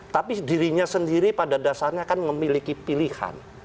tapi dirinya sendiri pada dasarnya kan memiliki pilihan